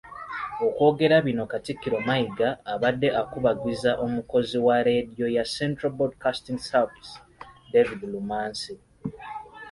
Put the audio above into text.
Okwogera bino Katikkiro Mayiga, abadde akubagiza omukozi wa leediyo ya Central Broadcasting Service David Lumansi.